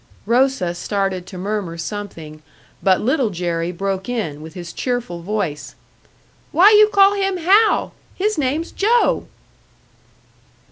Rosa started to murmur something; but Little Jerry broke in, with his cheerful voice, "Why you call him Hal? His name's Joe!"